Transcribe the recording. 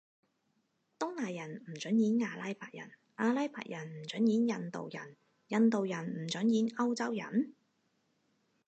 東亞人唔准演阿拉伯人，阿拉伯人唔准演印度人，印度人唔准演歐洲人？